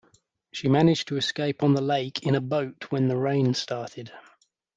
She managed to escape on the lake in a boat when the rain started.